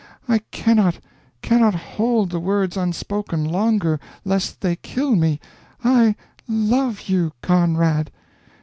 I cannot, cannot hold the words unspoken longer, lest they kill me I LOVE you, CONRAD!